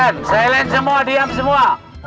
tenang tenang silen silen semua diam semua